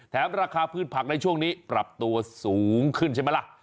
ราคาพืชผักในช่วงนี้ปรับตัวสูงขึ้นใช่ไหมล่ะ